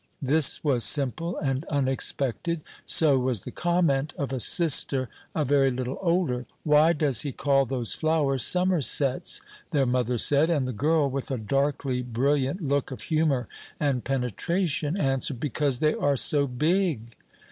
This was simple and unexpected; so was the comment of a sister a very little older. "Why does he call those flowers summersets?" their mother said; and the girl, with a darkly brilliant look of humour and penetration, answered, "because they are so big."